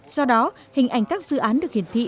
do đó hình ảnh các dự án được hiển thị